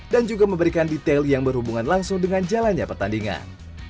dan juga memberikan detail yang berhubungan langsung dengan jalannya pertandingan